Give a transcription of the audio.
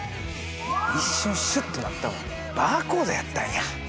一瞬シュッとなったんはバーコードやったんや。